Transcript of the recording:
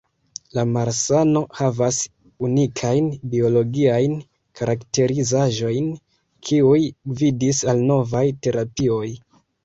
La malsano havas unikajn biologiajn karakterizaĵojn, kiuj gvidis al novaj terapioj.